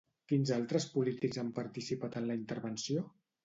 Quins altres polítics han participat en la intervenció?